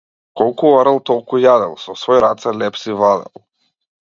Колку орал толку јадел, со свои раце леб си вадел.